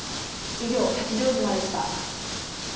以上、八丈島でした。